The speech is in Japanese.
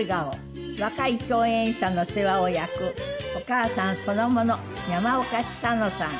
若い共演者の世話を焼くお母さんそのもの山岡久乃さん。